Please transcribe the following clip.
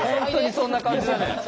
本当にそんな感じだね。